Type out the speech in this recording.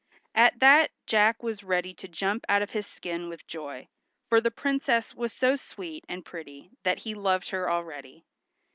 At that Jack was ready to jump out of his skin with joy, for the Princess was so sweet and pretty that he loved her already.